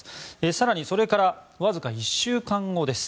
更に、それからわずか１週間後です。